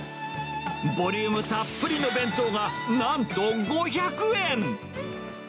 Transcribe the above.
ボリュームたっぷりの弁当がなんと５００円。